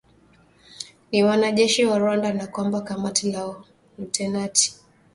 ni wanajeshi wa Rwanda na kwamba kamanda wao lutenati